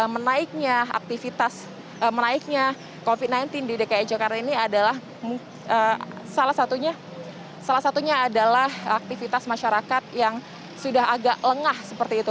menaiknya aktivitas menaiknya covid sembilan belas di dki jakarta ini adalah salah satunya adalah aktivitas masyarakat yang sudah agak lengah seperti itu